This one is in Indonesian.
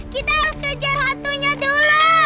kita harus kejar hantunya dulu